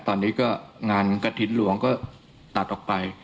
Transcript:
ตอนนี้ก็งานกระถิ่นหลวงก็ตัดออกไป